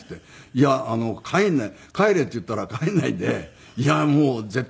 「いや帰らない“帰れ”って言ったら帰らないで“いやもう絶対一緒にいたい！